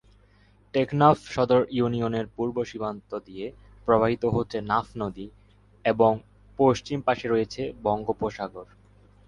টেকনাফ সদর ইউনিয়নের পূর্ব সীমান্ত দিয়ে প্রবাহিত হচ্ছে নাফ নদী এবং পশ্চিম পাশে রয়েছে বঙ্গোপসাগর।